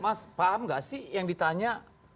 mas paham gak sih yang ditanya